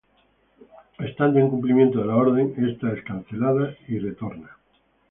Estando en cumplimiento de la orden, esta es cancelada y retorna.